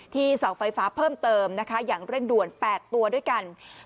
เสาไฟฟ้าเพิ่มเติมนะคะอย่างเร่งด่วน๘ตัวด้วยกัน